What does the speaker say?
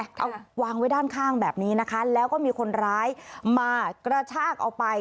เอาวางไว้ด้านข้างแบบนี้นะคะแล้วก็มีคนร้ายมากระชากเอาไป